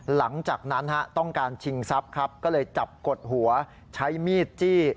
หลังจากนั้นต้องการชิงทรัพย์ครับก็เลยจับกดหัวใช้มีดจี้